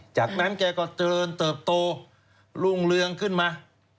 จากนั้นแกก็เจริญเติบโตรุ่งเรืองขึ้นมา